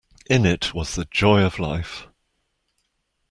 In it was the joy of life.